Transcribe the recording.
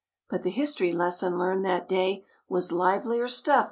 a But the history les son learned that Was livelier stuff